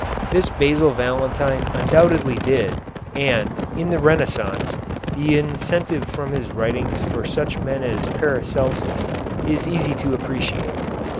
This Basil Valentine undoubtedly did, and, in the Renaissance, the incentive from his writings for such men as Paracelsus is easy to appreciate.